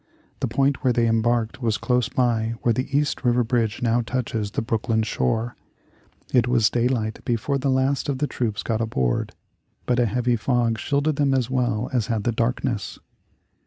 The point where they embarked was close by where the East River Bridge now touches the Brooklyn shore. It was daylight before the last of the troops got aboard, but a heavy fog shielded them as well as had the darkness.